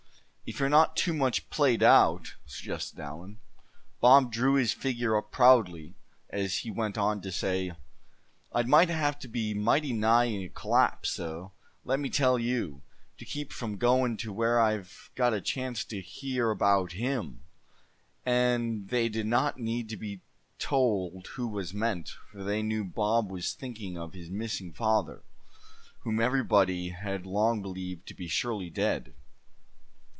"If you're not too much played out," suggested Allan. Bob drew his figure up proudly, as he went on to say: "I'd have to be mighty nigh a collapse, suh, let me tell you, to keep from goin' to where I've got a chance to hear about him!" and they did not need to be told who was meant, for they knew Bob was thinking of his missing father, whom everybody had long believed to be surely dead.